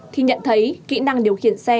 thì nhận thấy kỹ năng điều khiển xe